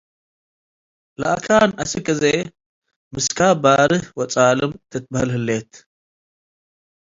ለአካን አስክ አዜ፡ ምስካብ ባርህ ወጻልም ትትበሀል ሀሌ'ት።